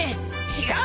違う。